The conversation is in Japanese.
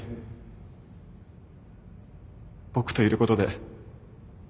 僕といることで。